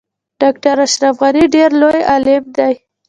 ډاکټر اشرف غنی ډیر لوی عالم دی